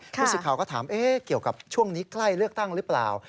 ผู้สิทธิ์ข่าวก็ถามเกี่ยวกับช่วงนี้ใกล้เลือกตั้งหรือเปล่า